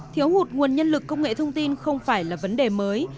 thiếu hụt nguồn nhân lực công nghệ thông tin không phải là vấn đề mới